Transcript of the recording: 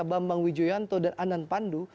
bambang wijoyanto dan anan pandu